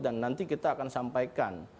dan nanti kita akan sampaikan